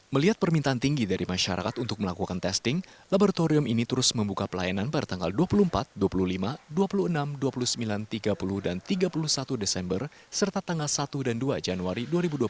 melihat permintaan tinggi dari masyarakat untuk melakukan testing laboratorium ini terus membuka pelayanan pada tanggal dua puluh empat dua puluh lima dua puluh enam dua puluh sembilan tiga puluh dan tiga puluh satu desember serta tanggal satu dan dua januari dua ribu dua puluh satu